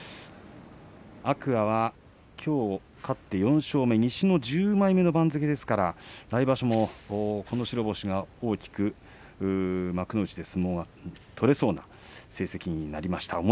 天空海は、きょう勝って４勝目、西の１０枚目の番付ですから、来場所もこの白星が大きく幕内で相撲を取れそうな成績になりました。